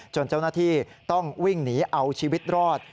เจ้าหน้าที่ต้องวิ่งหนีเอาชีวิตรอด